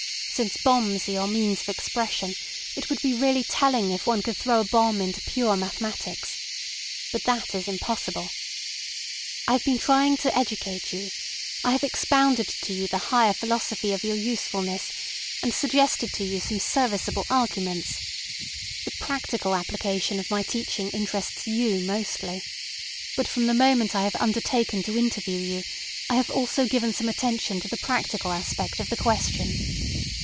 Since bombs are your means of expression, it would be really telling if one could throw a bomb into pure mathematics. But that is impossible. I have been trying to educate you; I have expounded to you the higher philosophy of your usefulness, and suggested to you some serviceable arguments. The practical application of my teaching interests you mostly. But from the moment I have undertaken to interview you I have also given some attention to the practical aspect of the question.